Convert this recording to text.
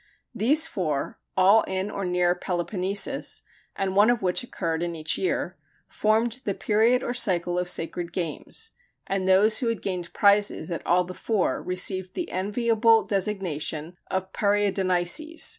These four, all in or near Peloponnesus, and one of which occurred in each year, formed the period or cycle of sacred games, and those who had gained prizes at all the four received the enviable designation of Periodonices.